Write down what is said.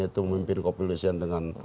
itu memimpin kepolisian dengan